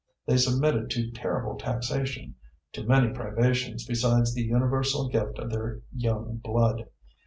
They submitted to terrible taxation, to many privations, besides the universal gift of their young blood.